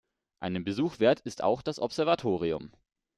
Einen Besuch wert ist auch das Observatorium.